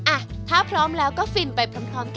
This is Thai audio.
อ่ะถ้าพร้อมแล้วก็ฟินไปพร้อมกัน